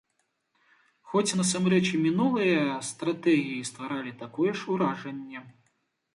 Хоць насамрэч і мінулыя стратэгіі стваралі такое ж уражанне.